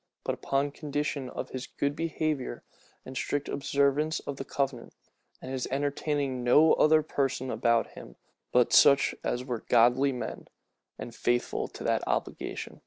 but upon condition "of his good behavior, and strict observance of the covenant, and his entertaining no other persons about him but such as were godly men, and faithful to that obligation."